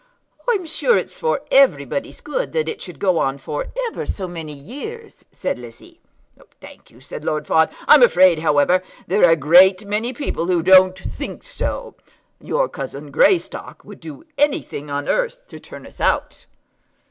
"I'm sure it's for everybody's good that it should go on for ever so many years," said Lizzie. "Thank you," said Lord Fawn. "I'm afraid, however, there are a great many people who don't think so. Your cousin Greystock would do anything on earth to turn us out."